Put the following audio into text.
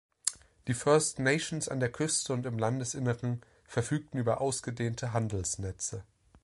Die First Nations an der Küste und im Landesinneren verfügten über ausgedehnte Handelsnetze.